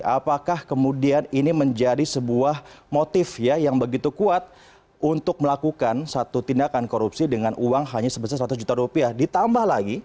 apakah kemudian ini menjadi sebuah motif yang begitu kuat untuk melakukan satu tindakan korupsi dengan uang hanya sebesar seratus juta rupiah